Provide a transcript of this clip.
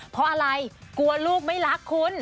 เพราะอะไรกลัวลูกไม่รักคุณ